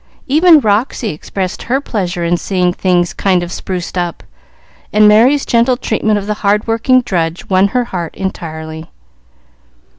Even Roxy expressed her pleasure in seeing "things kind of spruced up," and Merry's gentle treatment of the hard working drudge won her heart entirely.